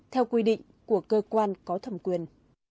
theo quy định của cơ quan có thẩm quyền